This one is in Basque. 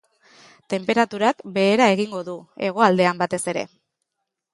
Tenperaturak behera egingo du, hegoaldean batez ere.